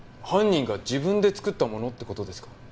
犯人が自分で作ったものって事ですか？